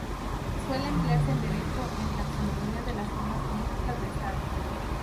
Suele emplearse en Derecho en taxonomía de las formas políticas de Estado.